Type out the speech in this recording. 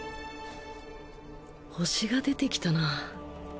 星が出てきたな。